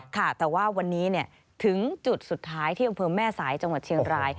ค่ะแต่ว่าวันนี้ถึงจุดสุดท้ายที่อำเภอแม่สายจังหวัดเชียงราย